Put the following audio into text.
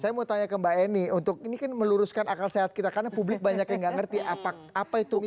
saya mau tanya ke mbak eni untuk ini kan meluruskan akal sehat kita karena publik banyak yang nggak ngerti apa itu